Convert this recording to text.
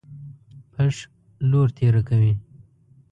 پښ لور تېره کوي.